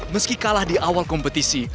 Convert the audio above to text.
meski kalah di awal kompetisi